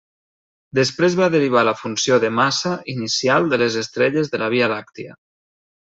Després va derivar la funció de massa inicial de les estrelles de la Via Làctia.